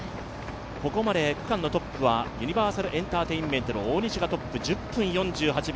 ここまで区間のトップはユニバーサルエンターテインメントの大西がトップ１０分４８秒。